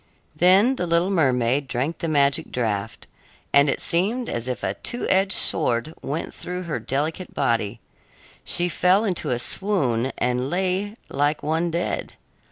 Then the little mermaid drank the magic draft, and it seemed as if a two edged sword went through her delicate body. She fell into a swoon and lay like one dead.